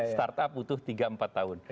startup butuh tiga empat tahun